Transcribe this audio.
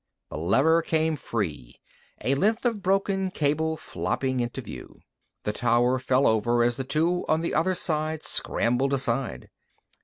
The lever came free, a length of broken cable flopping into view. The tower fell over as the two on the other side scrambled aside.